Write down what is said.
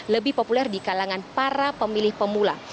lebih populer di kalangan para pemilih pemula